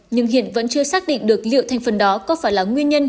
nhưng hiện vẫn chưa xác định được liệu thành phần đó có phải là nguyên nhân